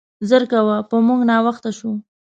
زر کوه, په مونګ ناوخته شو.